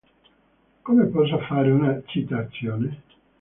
Come posso fare una citazione?